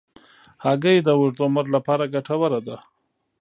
هګۍ د اوږد عمر لپاره ګټوره ده.